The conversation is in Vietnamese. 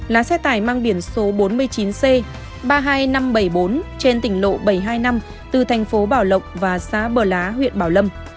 lá xe tải mang biển số bốn mươi chín c ba mươi hai nghìn năm trăm bảy mươi bốn trên tỉnh lộ bảy mươi hai năm từ thành phố bảo lộc và xá bờ lá huyện bảo lâm